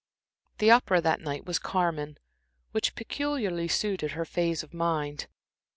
The opera that night was Carmen, which peculiarly suited her phase of mind.